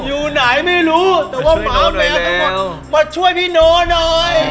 อยู่ไหนไม่รู้แต่ว่าสแมวต้องมาช่วยพี่โนคได้หน่อย